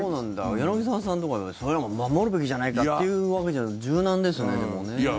柳澤さんとかはそれは守るべきじゃないかっていうわけじゃなくて柔軟ですね、でもね。